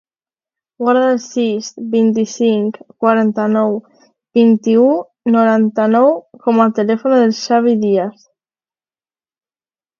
Guarda el sis, vint-i-cinc, quaranta-nou, vint-i-u, noranta-nou com a telèfon del Xavi Dias.